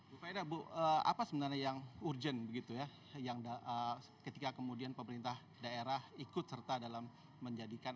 bu faida bu apa sebenarnya yang urgent begitu ya yang ketika kemudian pemerintah daerah ikut serta dalam menjadikan